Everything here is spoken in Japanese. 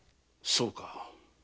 そうか。